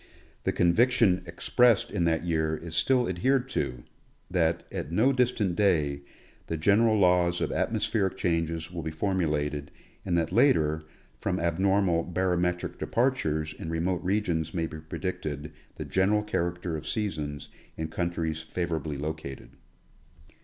The conviction expressed in that year is still ad hered to — that, at no distant day, the general laws of atmos pheric changes will be formulated, and that later, from abnormal barometric departures in remote regions may be predicted the general character of seasons in countries favorably located.